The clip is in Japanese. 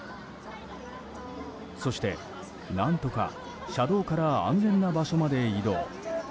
そして、何とか車道から安全な場所まで移動。